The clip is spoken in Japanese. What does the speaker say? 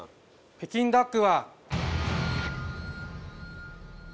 北京ダック。